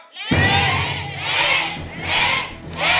เล่น